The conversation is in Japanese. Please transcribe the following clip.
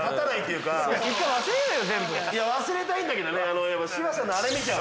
いや忘れたいんだけどね。